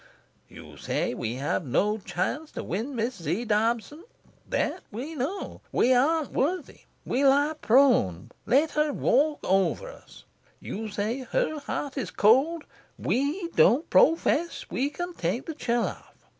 You say we have no chance to win Miss Z. Dobson. That we know. We aren't worthy. We lie prone. Let her walk over us. You say her heart is cold. We don't pro fess we can take the chill off.